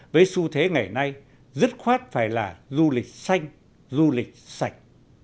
với xu thế ngày nay dứt khoát phải là du lịch xanh du lịch sạch